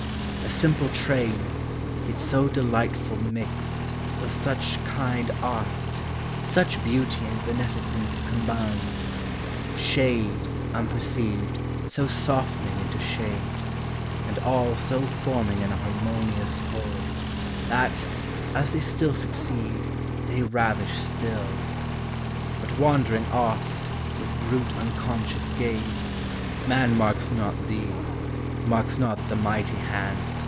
a simple train, Yet so delightful mixed, with such kind art, Such beauty and beneficence combined; Shade, unperceived, so softening into shade; And all so forming an harmonious whole, That, as they still succeed, they ravish still. But wandering oft, with brute unconscious gaze, Man marks not thee, marks not the mighty hand.